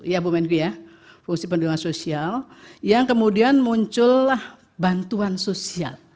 ya bu megi ya fungsi perlindungan sosial yang kemudian muncullah bantuan sosial